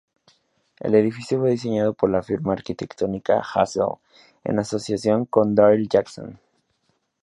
El edificio fue diseñado por la firma arquitectónica Hassell, en asociación con Daryl Jackson.